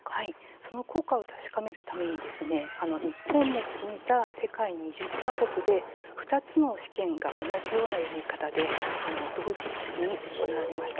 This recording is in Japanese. その効果を確かめるために日本を含めた世界２０か国で２つの試験が同じようなやり方で同時期に行われました。